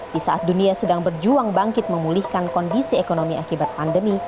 di saat dunia sedang berjuang bangkit memulihkan kondisi ekonomi akibat pandemi